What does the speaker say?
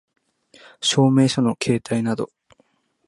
証明書の携帯等